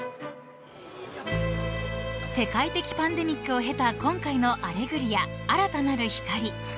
［世界的パンデミックを経た今回の『アレグリア−新たなる光−』］